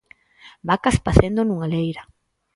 Vacas pacendo nunha leira.